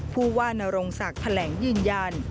ผู้ว่านรงศักดิ์แถลงยืนยัน